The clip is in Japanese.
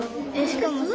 しかもさ。